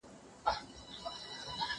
دا به څوک وي چي ستا مخي ته درېږي